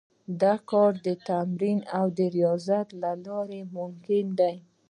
دا کار د تمرین او ریاضت له لارې ممکن دی